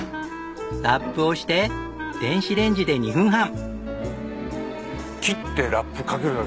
ラップをして電子レンジで２分半。